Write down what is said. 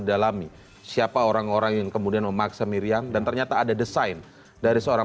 dalami siapa orang orang yang kemudian memaksa miriam dan ternyata ada desain dari seorang